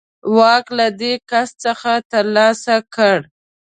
واک له دې کس څخه ترلاسه کړ.